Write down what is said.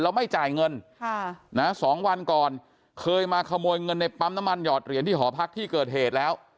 ไม่จ่ายเงิน๒วันก่อนเคยมาขโมยเงินในปั๊มน้ำมันหอดเหรียญที่หอพักที่เกิดเหตุแล้ว